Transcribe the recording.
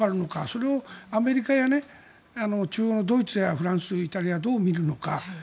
それをアメリカや中欧のドイツやフランス、イタリアはどう見るのか。